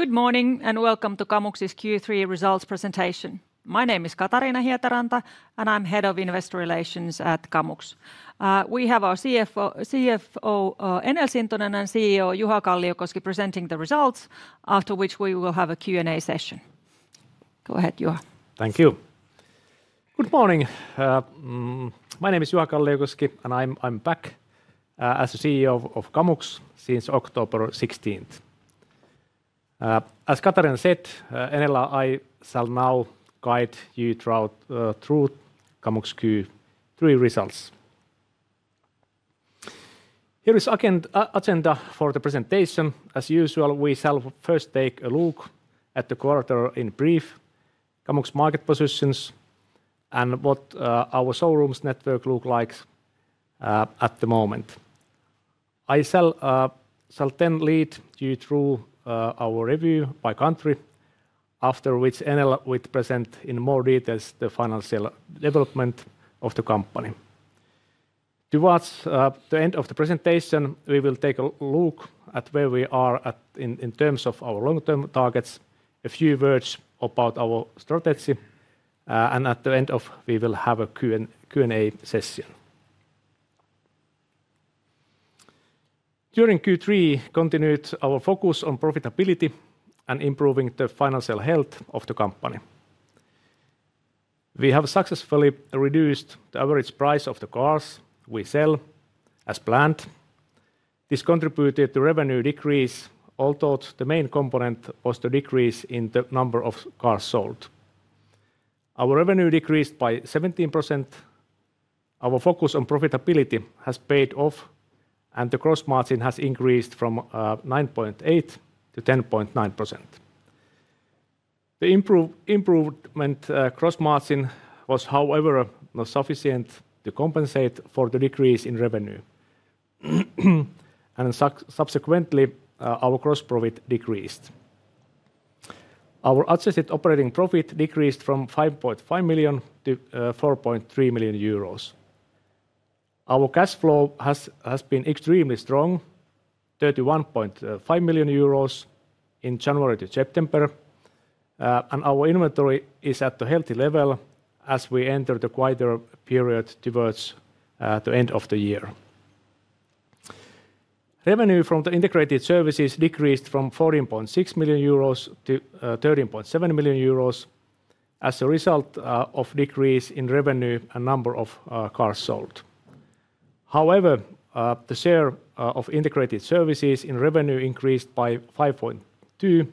Good morning and welcome to Kamux's Q3 results presentation. My name is Katariina Hietaranta, and I'm Head of Investor Relations at Kamux. We have our CFO, Eero Sintonen, and CEO, Juha Kalliokoski, presenting the results, after which we will have a Q&A session. Go ahead, Juha. Thank you. Good morning. My name is Juha Kalliokoski, and I'm back as the CEO of Kamux since October 16. As Katariina said, Enel, I shall now guide you through Kamux Q3 results. Here is the agenda for the presentation. As usual, we shall first take a look at the quarter in brief, Kamux market positions, and what our showrooms network looks like at the moment. I shall then lead you through our review by country, after which Enel will present in more detail the financial development of the company. Towards the end of the presentation, we will take a look at where we are in terms of our long-term targets, a few words about our strategy, and at the end, we will have a Q&A session. During Q3, we continued our focus on profitability and improving the financial health of the company. We have successfully reduced the average price of the cars we sell as planned. This contributed to revenue decrease, although the main component was the decrease in the number of cars sold. Our revenue decreased by 17%. Our focus on profitability has paid off, and the gross margin has increased from 9.8% to 10.9%. The improved gross margin was, however, not sufficient to compensate for the decrease in revenue, and subsequently, our gross profit decreased. Our adjusted operating profit decreased from 5.5 million to 4.3 million euros. Our cash flow has been extremely strong, 31.5 million euros in January to September, and our inventory is at a healthy level as we enter the quarter period towards the end of the year. Revenue from the integrated services decreased from 14.6 million euros to 13.7 million euros as a result of a decrease in revenue and the number of cars sold. However, the share of integrated services in revenue increased by 5.2% to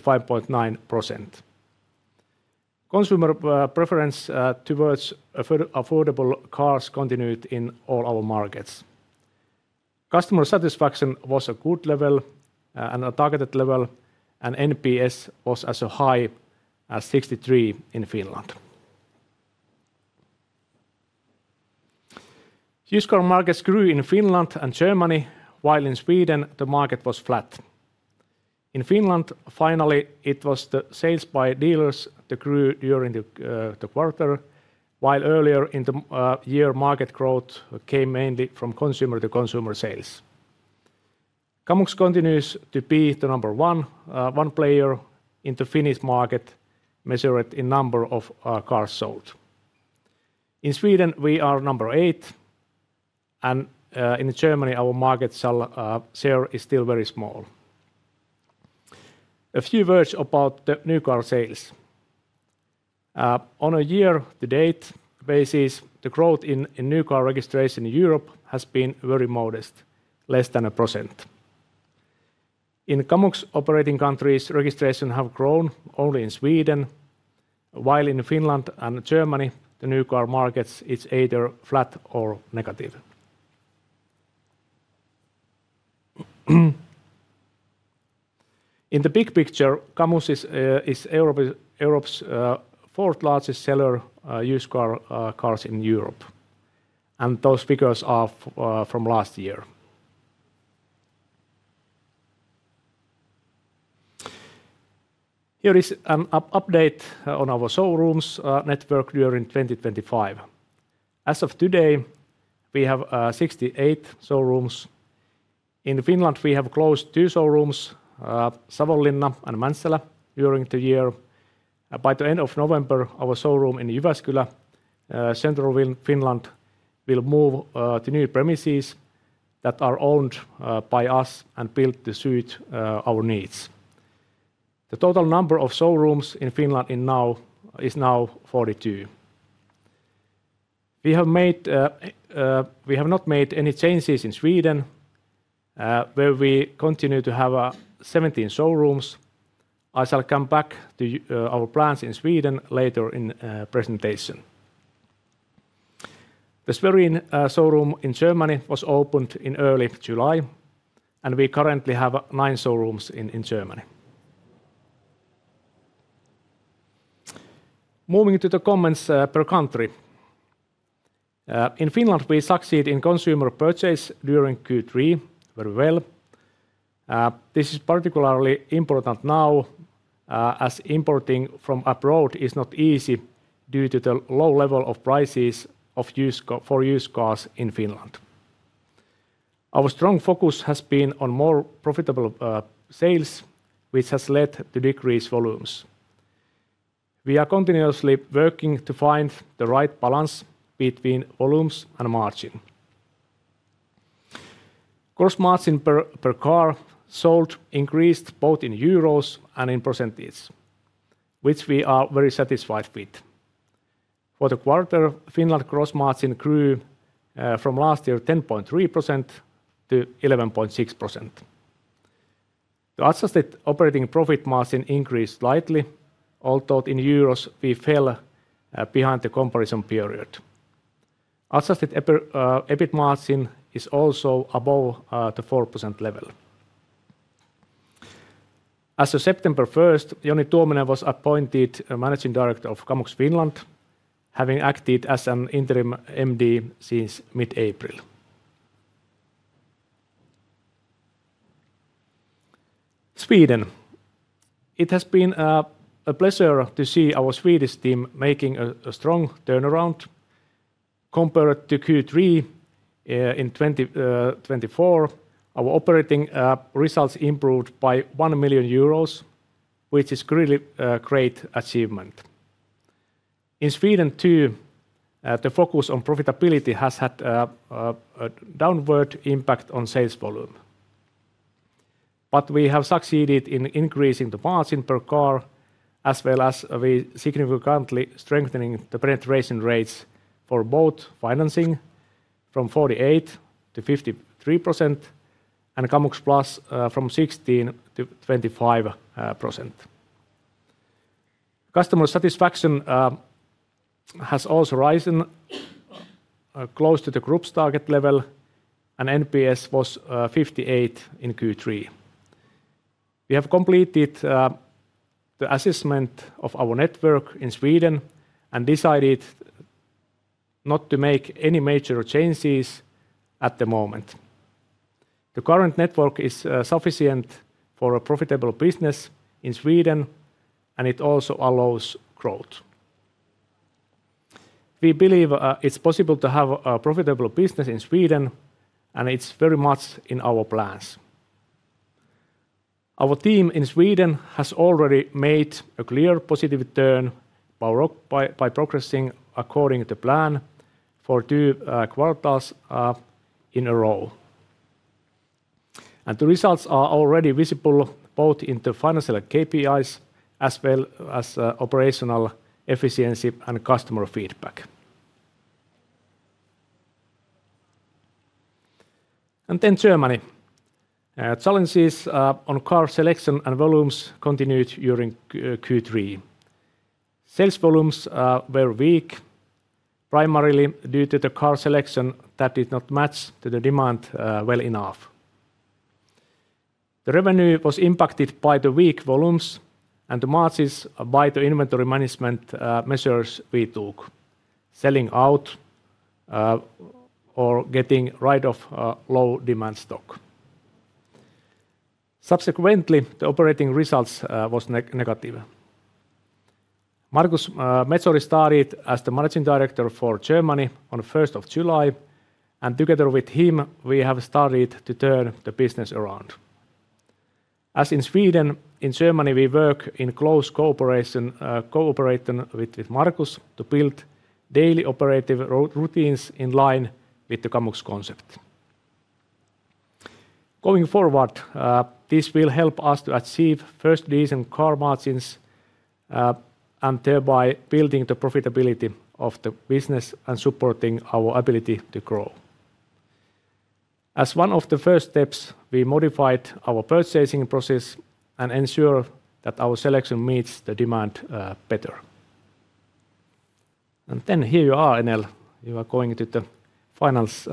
5.9%. Consumer preference towards affordable cars continued in all our markets. Customer satisfaction was at a good level and a targeted level, and NPS was as high as 63 in Finland. Used car markets grew in Finland and Germany, while in Sweden the market was flat. In Finland, finally, it was the sales by dealers that grew during the quarter, while earlier in the year, market growth came mainly from consumer-to-consumer sales. Kamux continues to be the number one player in the Finnish market, measured in the number of cars sold. In Sweden, we are number eight, and in Germany, our market share is still very small. A few words about the new car sales. On a year-to-date basis, the growth in new car registration in Europe has been very modest, less than 1%. In Kamux operating countries, registration has grown only in Sweden, while in Finland and Germany, the new car market is either flat or negative. In the big picture, Kamux is Europe's fourth-largest seller of used cars in Europe, and those figures are from last year. Here is an update on our showrooms network during 2025. As of today, we have 68 showrooms. In Finland, we have closed two showrooms, Savonlinna and Mäntsälä, during the year. By the end of November, our showroom in Jyväskylä, Central Finland, will move to new premises that are owned by us and built to suit our needs. The total number of showrooms in Finland is now 42. We have not made any changes in Sweden, where we continue to have 17 showrooms. I shall come back to our plans in Sweden later in the presentation. The Sweden showroom in Germany was opened in early July, and we currently have nine showrooms in Germany. Moving to the comments per country. In Finland, we succeed in consumer purchase during Q3 very well. This is particularly important now, as importing from abroad is not easy due to the low level of prices for used cars in Finland. Our strong focus has been on more profitable sales, which has led to decreased volumes. We are continuously working to find the right balance between volumes and margin. Gross margin per car sold increased both in euros and in percentage, which we are very satisfied with. For the quarter, Finland gross margin grew from last year's 10.3% to 11.6%. The adjusted operating profit margin increased slightly, although in euros we fell behind the comparison period. Adjusted EBIT margin is also above the 4% level. As of September 1, Joni Tuominen was appointed Managing Director of Kamux Finland, having acted as an interim MD since mid-April. Sweden. It has been a pleasure to see our Swedish team making a strong turnaround. Compared to Q3 in 2024, our operating results improved by 1 million euros, which is a great achievement. In Sweden, too, the focus on profitability has had a downward impact on sales volume. We have succeeded in increasing the margin per car, as well as significantly strengthening the penetration rates for both financing from 48% to 53% and Kamux Plus from 16% to 25%. Customer satisfaction has also risen close to the group's target level, and NPS was 58 in Q3. We have completed the assessment of our network in Sweden and decided not to make any major changes at the moment. The current network is sufficient for a profitable business in Sweden, and it also allows growth. We believe it's possible to have a profitable business in Sweden, and it's very much in our plans. Our team in Sweden has already made a clear positive turn by progressing according to plan for two quarters in a row. The results are already visible both in the financial KPIs as well as operational efficiency and customer feedback. Germany. Challenges on car selection and volumes continued during Q3. Sales volumes were weak, primarily due to the car selection that did not match the demand well enough. The revenue was impacted by the weak volumes and the margins by the inventory management measures we took, selling out or getting rid of low-demand stock. Subsequently, the operating results were negative. Markus Mescoli started as the Managing Director for Germany on the 1st of July, and together with him, we have started to turn the business around. As in Sweden, in Germany, we work in close cooperation with Markus to build daily operative routines in line with the Kamux concept. Going forward, this will help us to achieve first-decent car margins and thereby build the profitability of the business and support our ability to grow. As one of the first steps, we modified our purchasing process and ensured that our selection meets the demand better. Here you are, Enel. You are going to the finals,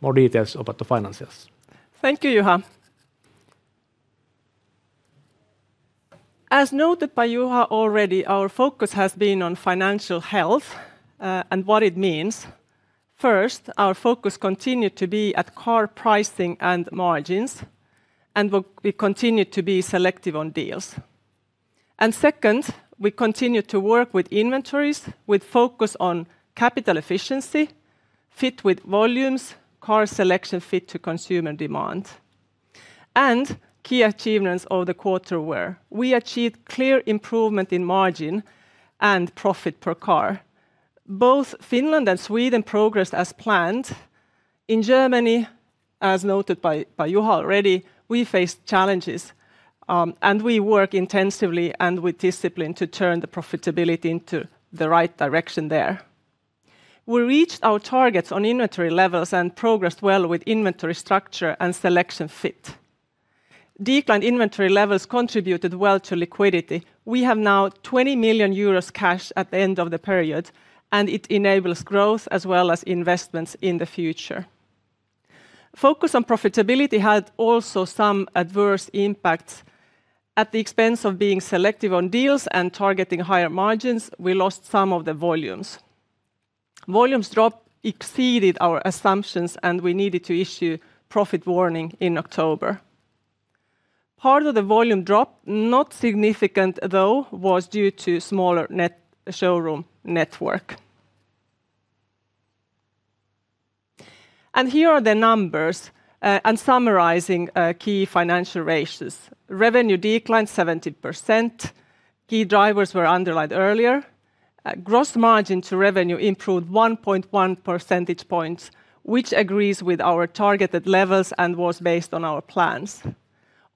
more details about the financials. Thank you, Juha. As noted by Juha already, our focus has been on financial health and what it means. First, our focus continued to be at car pricing and margins, and we continued to be selective on deals. Second, we continued to work with inventories with focus on capital efficiency, fit with volumes, car selection fit to consumer demand. Key achievements of the quarter were we achieved clear improvement in margin and profit per car. Both Finland and Sweden progressed as planned. In Germany, as noted by Juha already, we faced challenges, and we worked intensively and with discipline to turn the profitability into the right direction there. We reached our targets on inventory levels and progressed well with inventory structure and selection fit. Declined inventory levels contributed well to liquidity. We have now 20 million euros cash at the end of the period, and it enables growth as well as investments in the future. Focus on profitability had also some adverse impacts. At the expense of being selective on deals and targeting higher margins, we lost some of the volumes. Volumes dropped exceeded our assumptions, and we needed to issue profit warning in October. Part of the volume drop, not significant though, was due to smaller showroom network. Here are the numbers and summarizing key financial ratios. Revenue declined 17%. Key drivers were underlined earlier. Gross margin to revenue improved 1.1 percentage points, which agrees with our targeted levels and was based on our plans.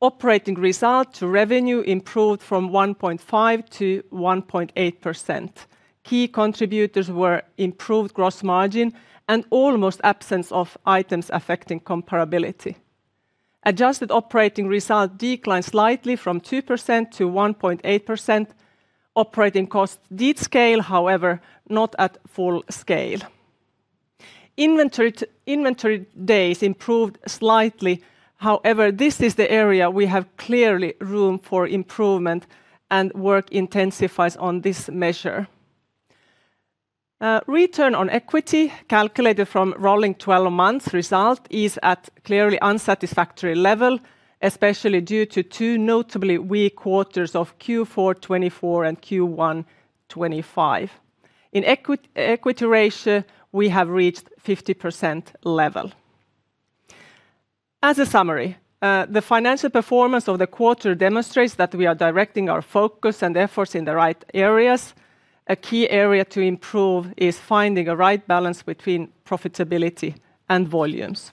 Operating result to revenue improved from 1.5% to 1.8%. Key contributors were improved gross margin and almost absence of items affecting comparability. Adjusted operating result declined slightly from 2% to 1.8%. Operating costs did scale, however, not at full scale. Inventory days improved slightly. However, this is the area we have clearly room for improvement, and work intensifies on this measure. Return on equity calculated from rolling 12-month result is at clearly unsatisfactory level, especially due to two notably weak quarters of Q4 2024 and Q1 2025. In equity ratio, we have reached 50% level. As a summary, the financial performance of the quarter demonstrates that we are directing our focus and efforts in the right areas. A key area to improve is finding a right balance between profitability and volumes.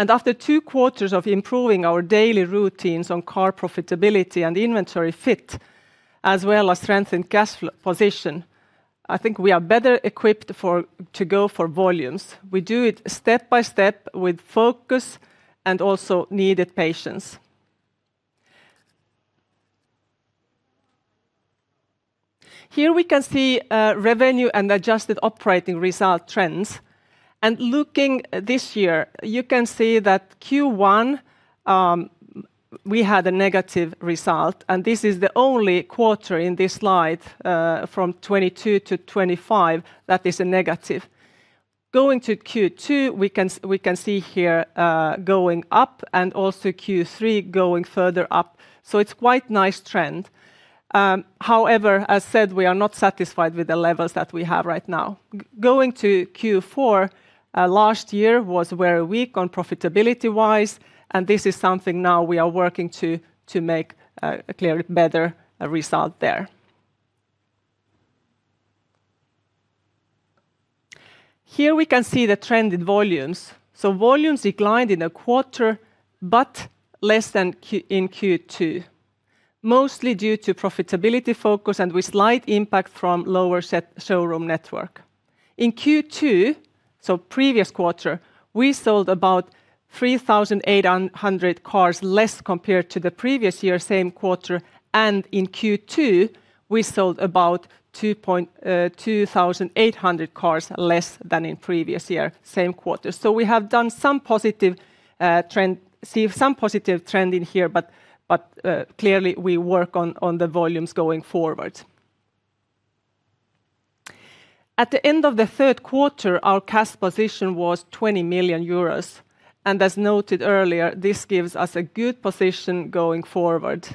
After two quarters of improving our daily routines on car profitability and inventory fit, as well as strengthened cash position, I think we are better equipped to go for volumes. We do it step by step with focus and also needed patience. Here we can see revenue and adjusted operating result trends. Looking this year, you can see that Q1 we had a negative result, and this is the only quarter in this slide from 2022 to 2025 that is a negative. Going to Q2, we can see here going up and also Q3 going further up. It is quite a nice trend. However, as said, we are not satisfied with the levels that we have right now. Going to Q4 last year was very weak on profitability-wise, and this is something now we are working to make a clear better result there. Here we can see the trend in volumes. Volumes declined in a quarter, but less than in Q2, mostly due to profitability focus and with slight impact from lower showroom network. In Q2, so previous quarter, we sold about 3,800 cars less compared to the previous year's same quarter, and in Q3 we sold about 2,800 cars less than in previous year's same quarter. We have done some positive trend in here, but clearly we work on the volumes going forward. At the end of the third quarter, our cash position was 20 million euros, and as noted earlier, this gives us a good position going forward.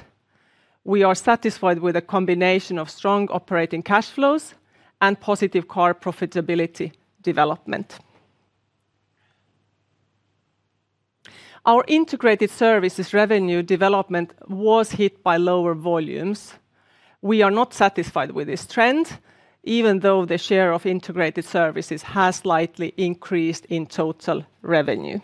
We are satisfied with a combination of strong operating cash flows and positive car profitability development. Our integrated services revenue development was hit by lower volumes. We are not satisfied with this trend, even though the share of integrated services has slightly increased in total revenue.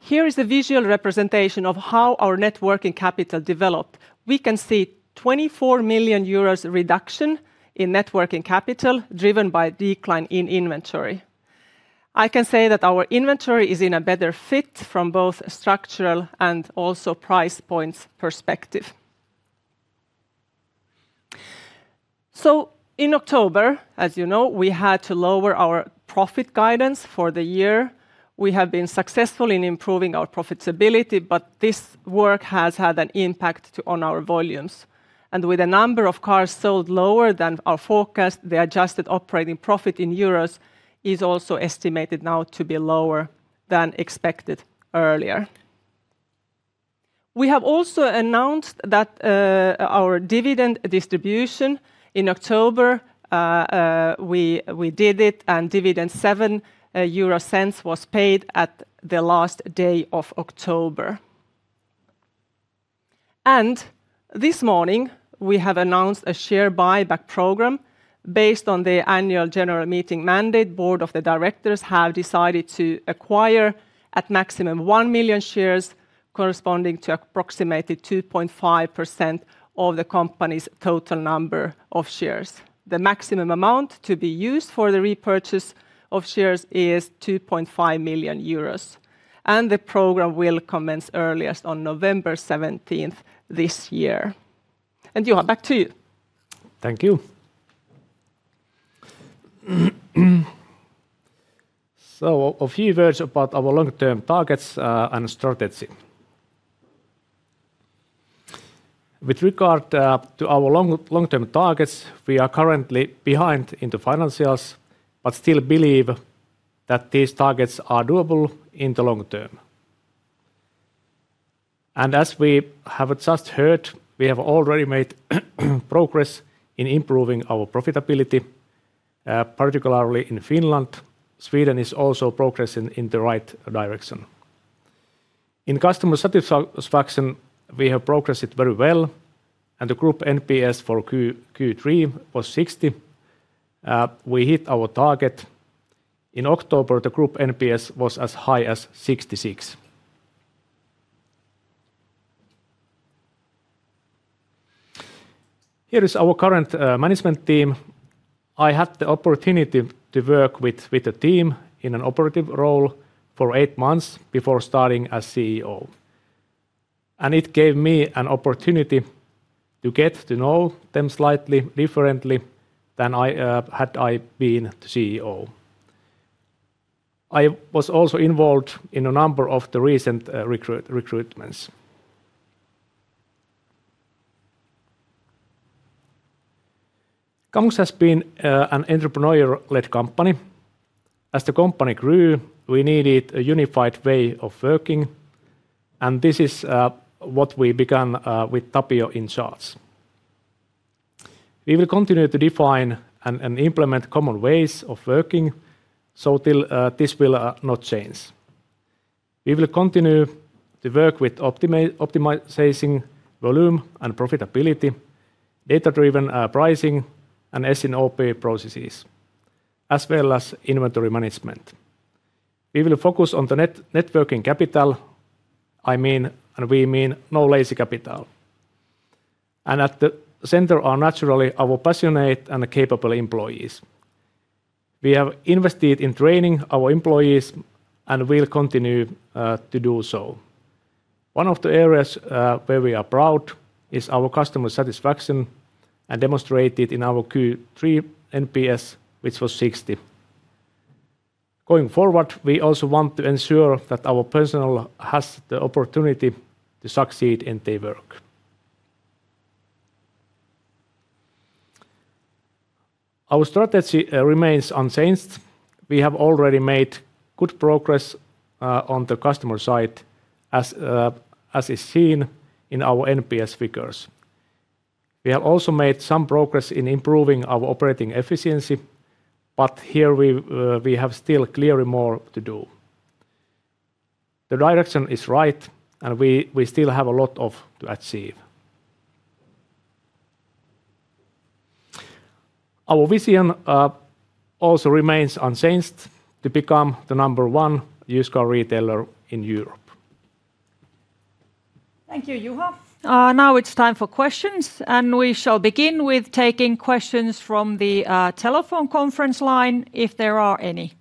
Here is a visual representation of how our net working capital developed. We can see 24 million euros reduction in net working capital driven by decline in inventory. I can say that our inventory is in a better fit from both structural and also price points perspective. In October, as you know, we had to lower our profit guidance for the year. We have been successful in improving our profitability, but this work has had an impact on our volumes. With a number of cars sold lower than our forecast, the adjusted operating profit in EUR is also estimated now to be lower than expected earlier. We have also announced that our dividend distribution in October, we did it, and dividend 0.07 was paid at the last day of October. This morning, we have announced a share buyback program based on the annual general meeting mandate. Board of the Directors have decided to acquire at maximum 1 million shares, corresponding to approximately 2.5% of the company's total number of shares. The maximum amount to be used for the repurchase of shares is 2.5 million euros, and the program will commence earliest on November 17th this year. Juha, back to you. Thank you. A few words about our long-term targets and strategy. With regard to our long-term targets, we are currently behind in the financials, but still believe that these targets are doable in the long term. As we have just heard, we have already made progress in improving our profitability, particularly in Finland. Sweden is also progressing in the right direction. In customer satisfaction, we have progressed very well, and the group NPS for Q3 was 60. We hit our target. In October, the group NPS was as high as 66. Here is our current management team. I had the opportunity to work with the team in an operative role for eight months before starting as CEO. It gave me an opportunity to get to know them slightly differently than had I been the CEO. I was also involved in a number of the recent recruitments. Kamux has been an entrepreneur-led company. As the company grew, we needed a unified way of working, and this is what we began with Tapio in charts. We will continue to define and implement common ways of working, so this will not change. We will continue to work with optimizing volume and profitability, data-driven pricing, and S&OP processes, as well as inventory management. We will focus on the net working capital, I mean, and we mean no lazy capital. At the center are naturally our passionate and capable employees. We have invested in training our employees and will continue to do so. One of the areas where we are proud is our customer satisfaction and demonstrated in our Q3 NPS, which was 60. Going forward, we also want to ensure that our personnel have the opportunity to succeed in their work. Our strategy remains unchanged. We have already made good progress on the customer side, as is seen in our NPS figures. We have also made some progress in improving our operating efficiency, but here we have still clearly more to do. The direction is right, and we still have a lot to achieve. Our vision also remains unchanged to become the number one used car retailer in Europe. Thank you, Juha. Now it's time for questions, and we shall begin with taking questions from the telephone conference line if there are any.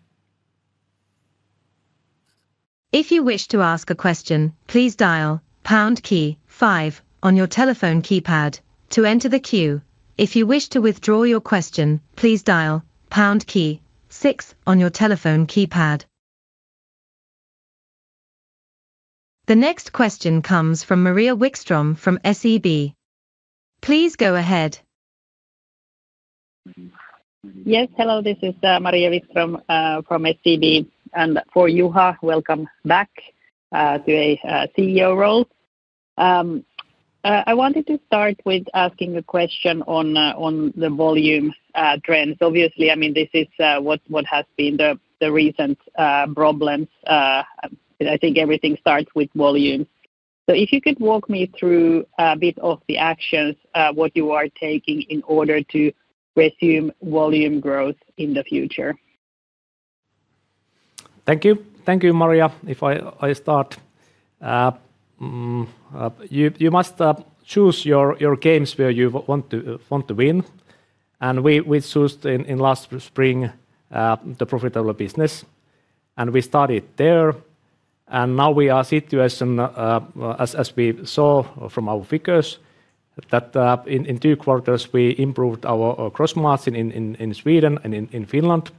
If you wish to ask a question, please dial pound key five on your telephone keypad to enter the queue. If you wish to withdraw your question, please dial pound key six on your telephone keypad. The next question comes from Maria Wikström from SEB. Please go ahead. Yes, hello, this is Maria Wikström from SEB, and for Juha, welcome back to a CEO role. I wanted to start with asking a question on the volume trends. Obviously, I mean, this is what has been the recent problems. I think everything starts with volumes. If you could walk me through a bit of the actions, what you are taking in order to resume volume growth in the future. Thank you. Thank you, Maria. If I start, you must choose your games where you want to win. We chose in last spring the profitable business, and we started there. Now we are in a situation, as we saw from our figures, that in two quarters we improved our gross margin in Sweden and in Finland.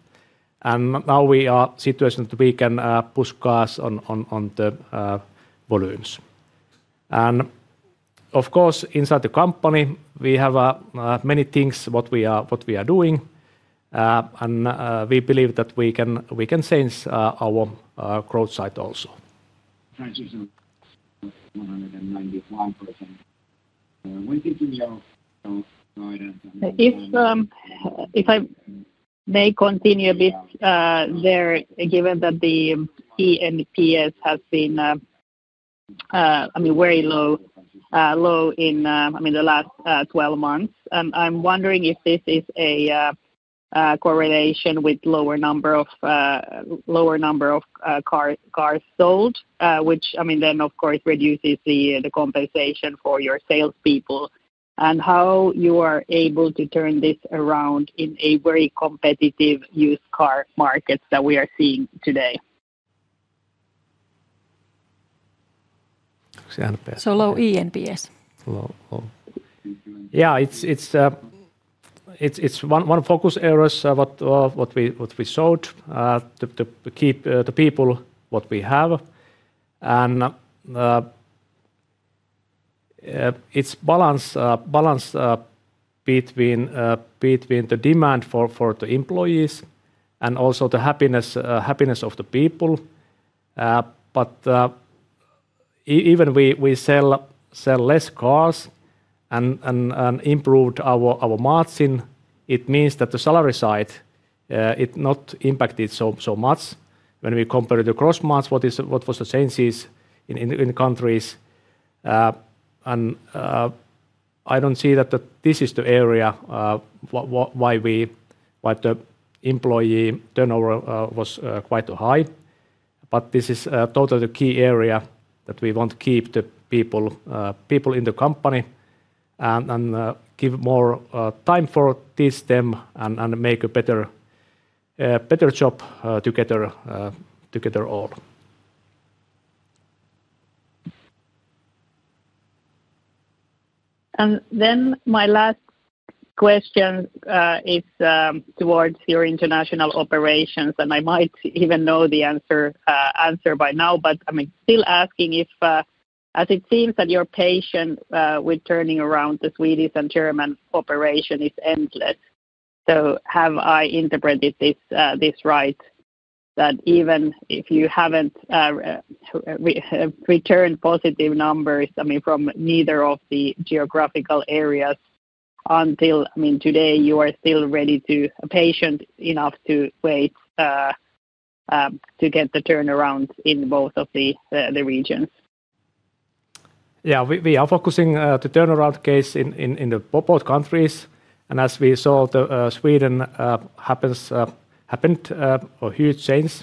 Now we are in a situation that we can push cars on the volumes. Of course, inside the company, we have many things what we are doing, and we believe that we can change our growth side also. If I may continue a bit there, given that the NPS has been, I mean, very low in the last 12 months, and I'm wondering if this is a correlation with lower number of cars sold, which, I mean, then of course reduces the compensation for your salespeople, and how you are able to turn this around in a very competitive used car market that we are seeing today. Low NPS. Yeah, it's one focus area what we showed to keep the people what we have, and it's balance between the demand for the employees and also the happiness of the people. Even we sell less cars and improved our margin, it means that the salary side is not impacted so much when we compare the gross margin, what was the changes in the countries. I don't see that this is the area why the employee turnover was quite high, but this is totally the key area that we want to keep the people in the company and give more time for this team and make a better job together all. My last question is towards your international operations, and I might even know the answer by now, but I'm still asking if, as it seems that your patience with turning around the Swedish and German operation is endless. Have I interpreted this right that even if you haven't returned positive numbers, I mean, from neither of the geographical areas until today, you are still ready to, patient enough to wait to get the turnaround in both of the regions? Yeah, we are focusing on the turnaround case in both countries, and as we saw, Sweden happened a huge change.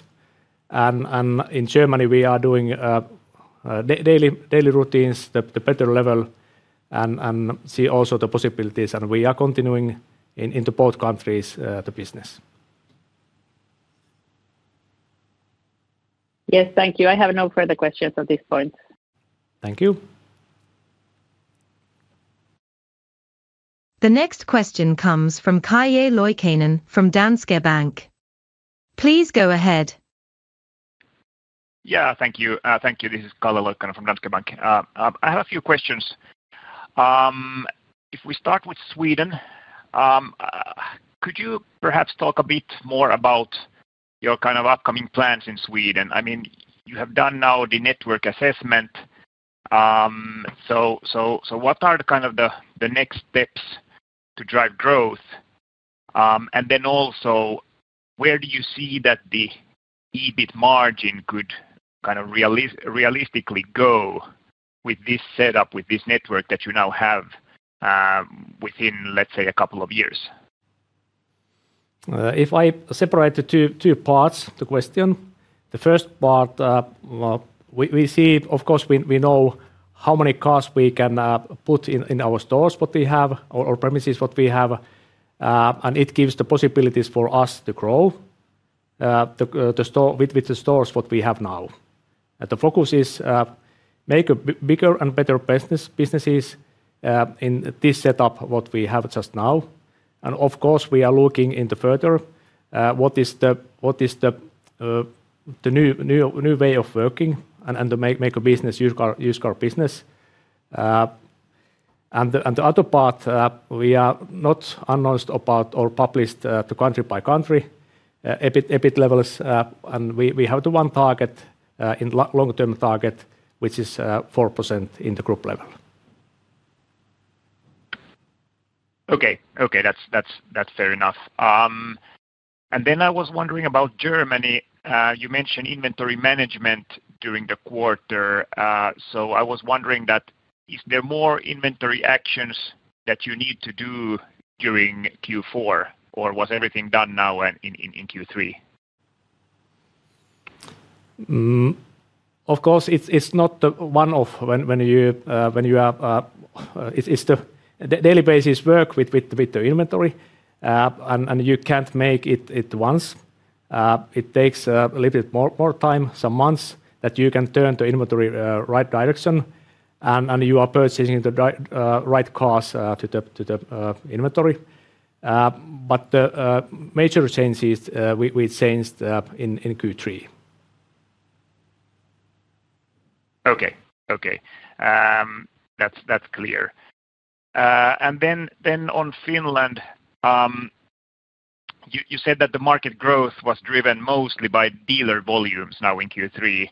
In Germany, we are doing daily routines, the better level, and see also the possibilities, and we are continuing in both countries the business. Yes, thank you. I have no further questions at this point. Thank you. The next question comes from Calle Loikkanen from Danske Bank. Please go ahead. Yeah, thank you. Thank you. This is Calle Loikkanen from Danske Bank. I have a few questions. If we start with Sweden, could you perhaps talk a bit more about your kind of upcoming plans in Sweden? I mean, you have done now the network assessment. What are kind of the next steps to drive growth? Also, where do you see that the EBIT margin could kind of realistically go with this setup, with this network that you now have within, let's say, a couple of years? If I separate the two parts to question, the first part, we see, of course, we know how many cars we can put in our stores, what we have, or premises what we have, and it gives the possibilities for us to grow with the stores what we have now. The focus is to make bigger and better businesses in this setup what we have just now. Of course, we are looking into further what is the new way of working and to make a business used car business. The other part, we are not announced about or published to country by country EBIT levels, and we have the one target in long-term target, which is 4% in the group level. Okay, okay, that's fair enough. I was wondering about Germany. You mentioned inventory management during the quarter, so I was wondering, is there more inventory actions that you need to do during Q4, or was everything done now in Q3? Of course, it's not one of when you are on a daily basis work with the inventory, and you can't make it once. It takes a little bit more time, some months, that you can turn the inventory right direction, and you are purchasing the right cars to the inventory. The major changes, we changed in Q3. Okay, okay. That's clear. Then on Finland, you said that the market growth was driven mostly by dealer volumes now in Q3.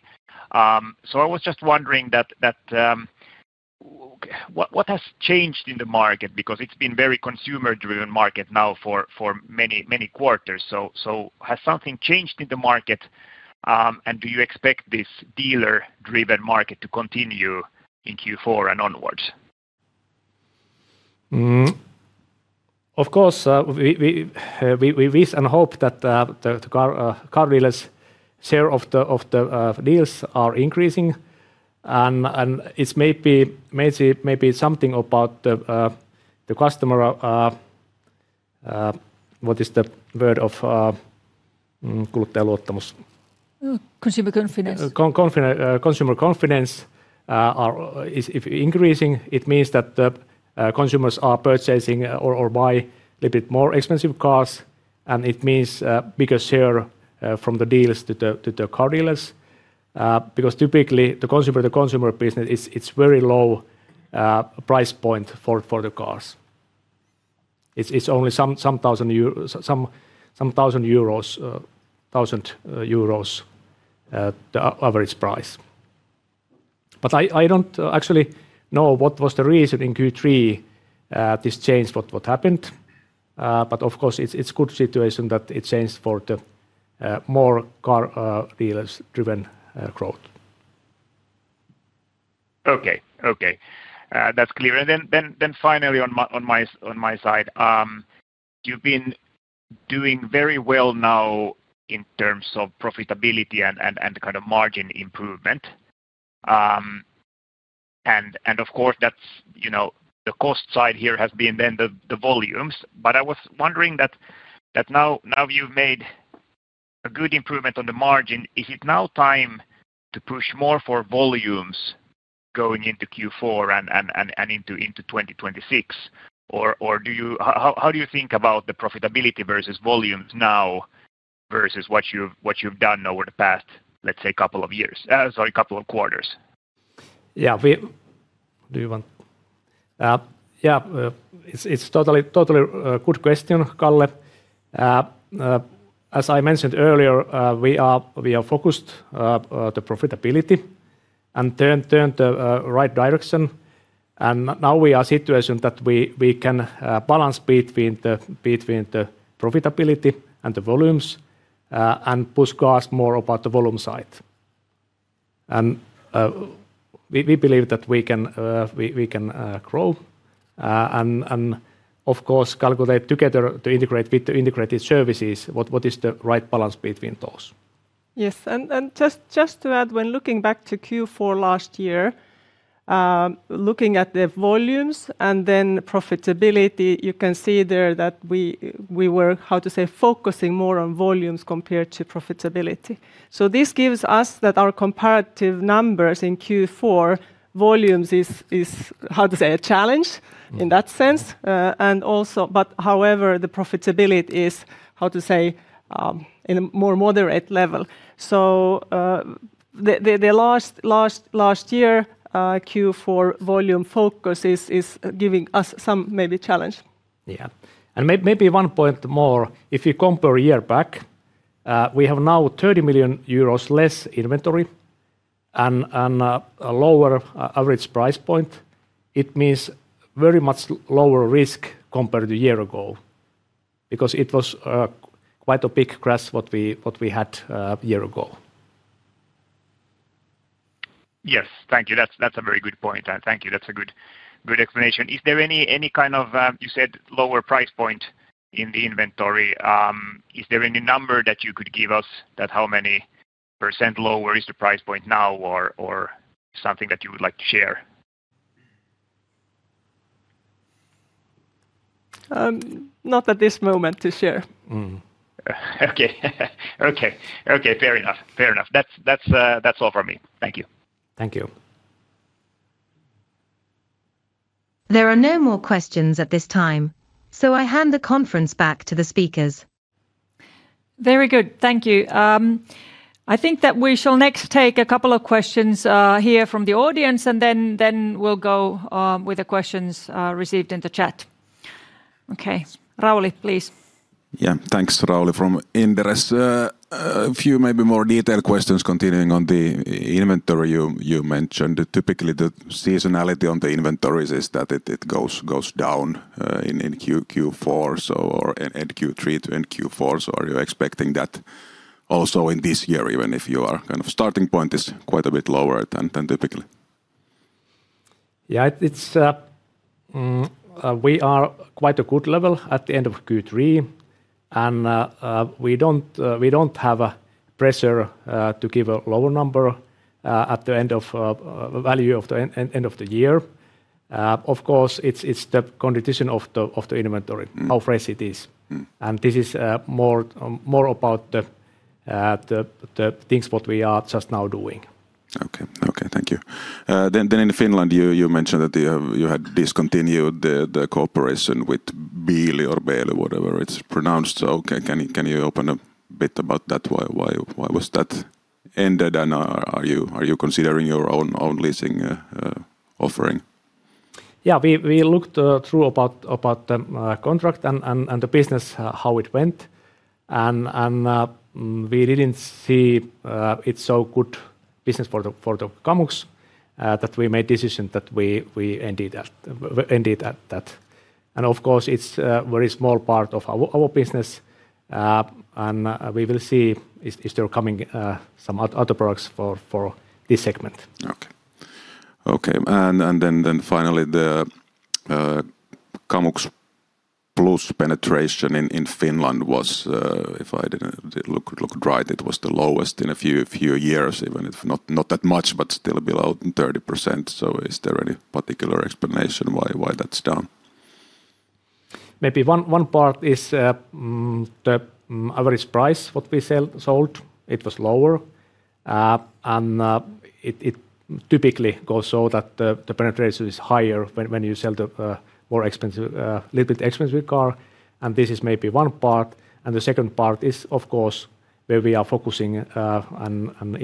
I was just wondering what has changed in the market, because it's been a very consumer-driven market now for many quarters. Has something changed in the market, and do you expect this dealer-driven market to continue in Q4 and onwards? Of course, we wish and hope that the car dealers' share of the deals are increasing, and it's maybe something about the customer, what is the word of consumer confidence. Consumer confidence is increasing. It means that consumers are purchasing or buying a little bit more expensive cars, and it means a bigger share from the deals to the car dealers, because typically the consumer business, it's a very low price point for the cars. It's only some thousand EUR, thousand EUR, the average price. I don't actually know what was the reason in Q3, this change what happened, but of course it's a good situation that it changed for the more car dealers-driven growth. Okay, okay. That's clear. Finally on my side, you've been doing very well now in terms of profitability and kind of margin improvement. Of course, the cost side here has been then the volumes, but I was wondering that now you've made a good improvement on the margin, is it now time to push more for volumes going into Q4 and into 2026, or how do you think about the profitability versus volumes now versus what you've done over the past, let's say, couple of years, sorry, couple of quarters? Yeah, it's a totally good question, Calle. As I mentioned earlier, we are focused on the profitability and turned the right direction, and now we are in a situation that we can balance between the profitability and the volumes and push cars more about the volume side. We believe that we can grow, and of course, calculate together to integrate with the integrated services, what is the right balance between those. Yes, and just to add, when looking back to Q4 last year, looking at the volumes and then profitability, you can see there that we were, how to say, focusing more on volumes compared to profitability. This gives us that our comparative numbers in Q4 volumes is, how to say, a challenge in that sense, however, the profitability is, how to say, in a more moderate level. The last year, Q4 volume focus is giving us some maybe challenge. Yeah, and maybe one point more. If you compare a year back, we have now 30 million euros less inventory and a lower average price point. It means very much lower risk compared to a year ago, because it was quite a big crash what we had a year ago. Yes, thank you. That's a very good point, and thank you. That's a good explanation. Is there any kind of, you said, lower price point in the inventory? Is there any number that you could give us, like how many % lower is the price point now, or something that you would like to share? Not at this moment to share. Okay. Fair enough. That's all from me. Thank you. Thank you. There are no more questions at this time, so I hand the conference back to the speakers. Very good. Thank you. I think that we shall next take a couple of questions here from the audience, and then we'll go with the questions received in the chat. Okay, Rauli, please. Yeah, thanks to Rauli from Inderes. A few maybe more detailed questions continuing on the inventory you mentioned. Typically, the seasonality on the inventories is that it goes down in Q4, so or end Q3 to end Q4, so are you expecting that also in this year, even if your kind of starting point is quite a bit lower than typically? Yeah, we are quite a good level at the end of Q3, and we do not have a pressure to give a lower number at the end of value of the end of the year. Of course, it is the condition of the inventory. How fresh it is. This is more about the things what we are just now doing. Okay, okay, thank you. In Finland, you mentioned that you had discontinued the cooperation with Bilia, or Bilia, whatever it's pronounced, so can you open a bit about that? Why was that ended, and are you considering your own leasing offering? Yeah, we looked through about the contract and the business, how it went, and we did not see it is so good business for Kamux that we made decision that we ended that. Of course, it is a very small part of our business, and we will see if there are coming some other products for this segment. Okay, okay. Finally, the Kamux Plus penetration in Finland was, if I didn't look right, it was the lowest in a few years, even if not that much, but still below 30%. Is there any particular explanation why that's down? Maybe one part is the average price what we sold. It was lower, and it typically goes so that the penetration is higher when you sell the more expensive, a little bit expensive car, and this is maybe one part. The second part is, of course, where we are focusing, and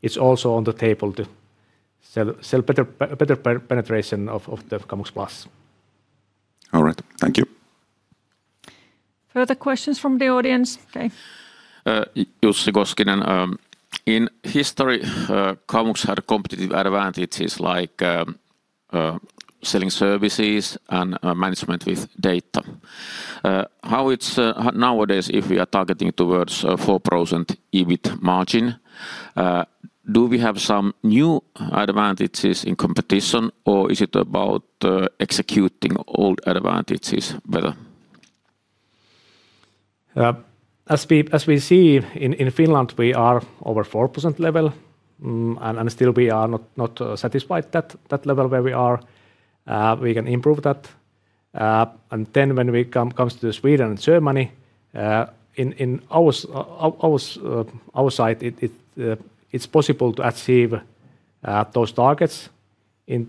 it's also on the table to sell better penetration of the Kamux Plus. All right, thank you. Further questions from the audience? Okay. Jussi Koskinen. In history, Kamux had competitive advantages like selling services and management with data. How it's nowadays, if we are targeting towards 4% EBIT margin, do we have some new advantages in competition, or is it about executing old advantages better? As we see in Finland, we are over 4% level, and still we are not satisfied at that level where we are. We can improve that. When we come to Sweden and Germany, in our side, it's possible to achieve those targets in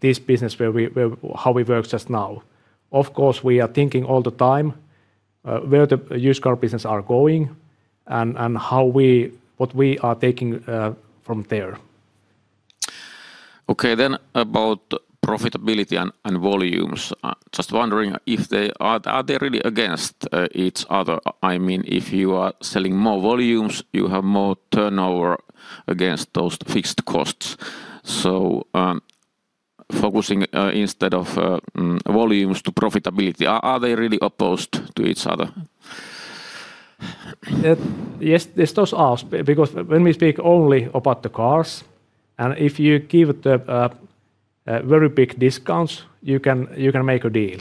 this business where how we work just now. Of course, we are thinking all the time where the used car business are going and what we are taking from there. Okay, then about profitability and volumes, just wondering if they are really against each other? I mean, if you are selling more volumes, you have more turnover against those fixed costs. Focusing instead of volumes to profitability, are they really opposed to each other? Yes, those are, because when we speak only about the cars, and if you give the very big discounts, you can make a deal,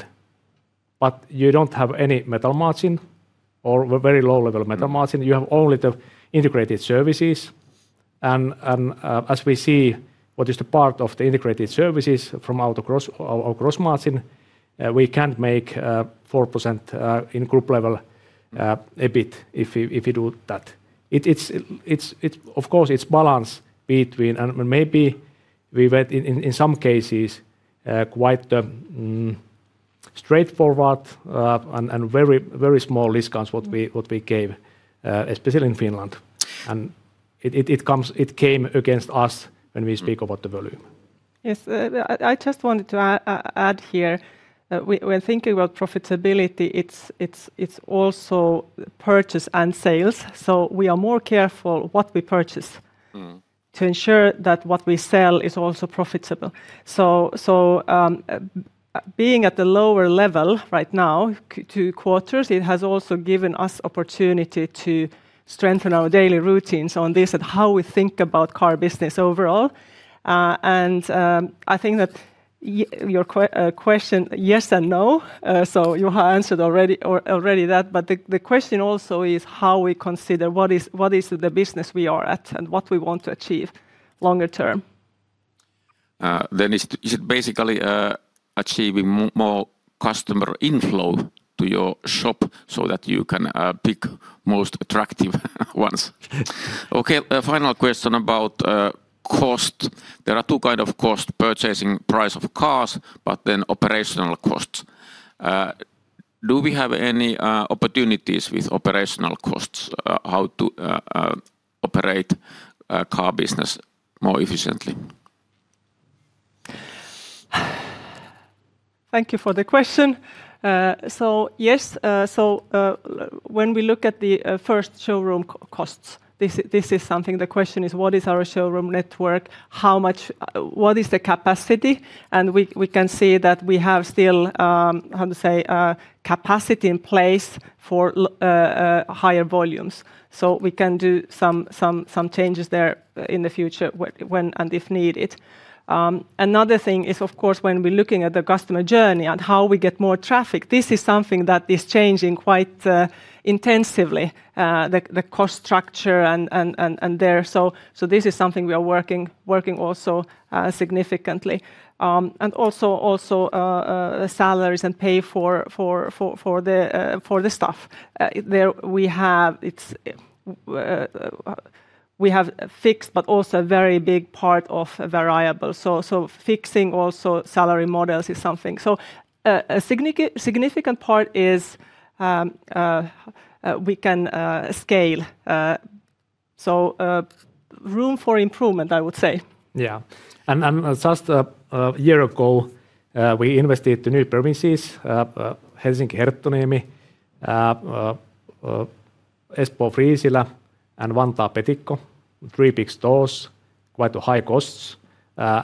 but you do not have any metal margin or very low level metal margin. You have only the integrated services, and as we see what is the part of the integrated services from our gross margin, we can make 4% in group level EBIT if we do that. Of course, it is balance between, and maybe we went in some cases quite straightforward and very small discounts what we gave, especially in Finland, and it came against us when we speak about the volume. Yes, I just wanted to add here, when thinking about profitability, it's also purchase and sales, so we are more careful what we purchase to ensure that what we sell is also profitable. Being at the lower level right now, two quarters, it has also given us opportunity to strengthen our daily routines on this and how we think about car business overall. I think that your question, yes and no, so you have answered already that, but the question also is how we consider what is the business we are at and what we want to achieve longer term. Is it basically achieving more customer inflow to your shop so that you can pick the most attractive ones? Okay, final question about cost. There are two kinds of cost: purchasing price of cars, but then operational costs. Do we have any opportunities with operational costs, how to operate car business more efficiently? Thank you for the question. Yes, when we look at the first showroom costs, this is something the question is, what is our showroom network, what is the capacity, and we can see that we have still, how to say, capacity in place for higher volumes. We can do some changes there in the future when and if needed. Another thing is, of course, when we're looking at the customer journey and how we get more traffic, this is something that is changing quite intensively, the cost structure and there, so this is something we are working also significantly. Also, salaries and pay for the staff. We have fixed, but also a very big part of variable, so fixing also salary models is something. A significant part is we can scale, so room for improvement, I would say. Yeah, just a year ago, we invested in the new provinces, Helsinki-Herttoaniemi, Espoo-Friisilä, and Vantaa-Petikko, three big stores, quite high costs,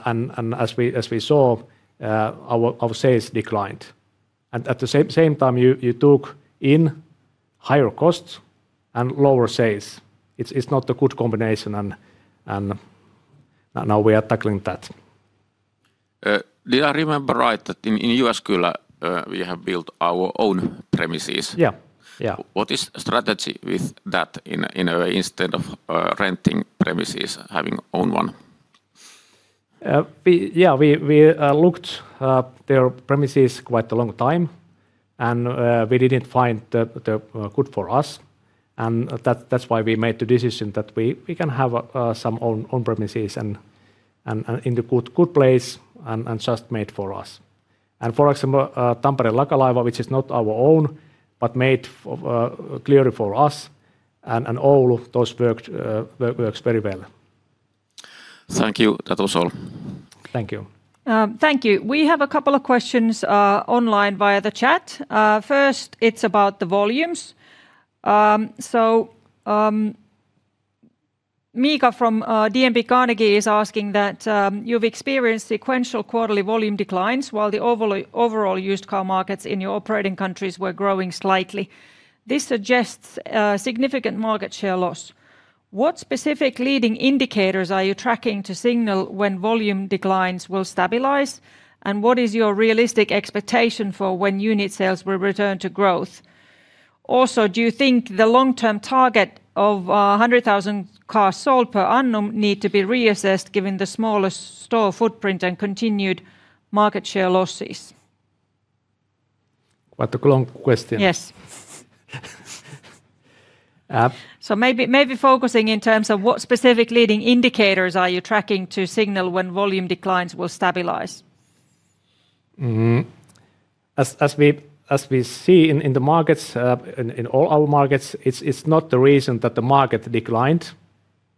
and as we saw, our sales declined. At the same time, you took in higher costs and lower sales. It's not a good combination, and now we are tackling that. Did I remember right that in U.S., kyllä, we have built our own premises? Yeah, yeah. What is the strategy with that instead of renting premises, having own one? Yeah, we looked at their premises quite a long time, and we did not find that good for us, and that is why we made the decision that we can have some own premises and in a good place and just made for us. For example, Tampere-Lakalaiva, which is not our own, but made clearly for us, and all of those work very well. Thank you, Tatu-Solo. Thank you. Thank you. We have a couple of questions online via the chat. First, it's about the volumes. Mika from DNB Carnegie is asking that you've experienced sequential quarterly volume declines while the overall used car markets in your operating countries were growing slightly. This suggests significant market share loss. What specific leading indicators are you tracking to signal when volume declines will stabilize, and what is your realistic expectation for when unit sales will return to growth? Also, do you think the long-term target of 100,000 cars sold per annum need to be reassessed given the smaller store footprint and continued market share losses? What a long question. Yes. Maybe focusing in terms of what specific leading indicators are you tracking to signal when volume declines will stabilize? As we see in the markets, in all our markets, it's not the reason that the market declined.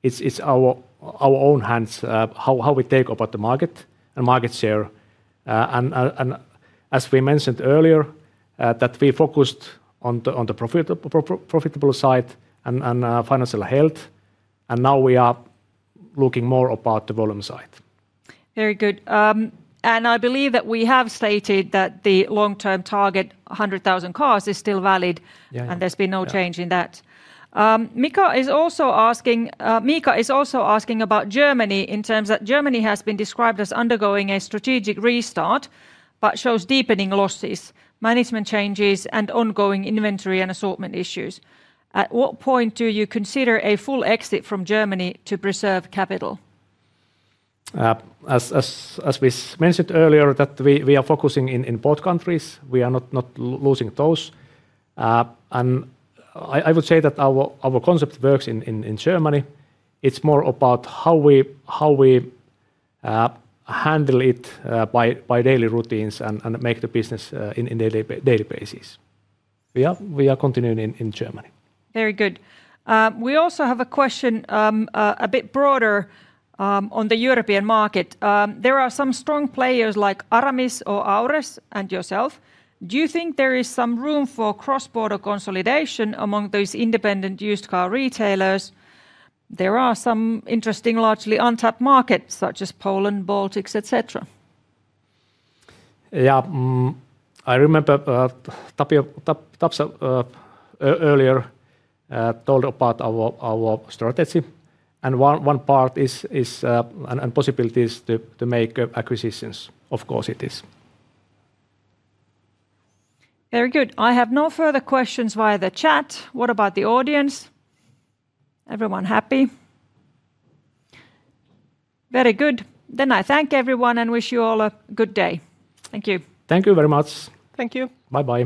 It's our own hands, how we take about the market and market share. As we mentioned earlier, that we focused on the profitable side and financial health, and now we are looking more about the volume side. Very good. I believe that we have stated that the long-term target, 100,000 cars, is still valid, and there's been no change in that. Mika is also asking about Germany in terms that Germany has been described as undergoing a strategic restart, but shows deepening losses, management changes, and ongoing inventory and assortment issues. At what point do you consider a full exit from Germany to preserve capital? As we mentioned earlier, we are focusing in both countries. We are not losing those. I would say that our concept works in Germany. It is more about how we handle it by daily routines and make the business on a daily basis. We are continuing in Germany. Very good. We also have a question a bit broader on the European market. There are some strong players like Aramis or Aures, and yourself. Do you think there is some room for cross-border consolidation among those independent used car retailers? There are some interesting largely untapped markets, such as Poland, Baltics, etc. Yeah, I remember Tapio earlier told about our strategy, and one part is and possibilities to make acquisitions. Of course, it is. Very good. I have no further questions via the chat. What about the audience? Everyone happy? Very good. Then I thank everyone and wish you all a good day. Thank you. Thank you very much. Thank you. Bye-bye.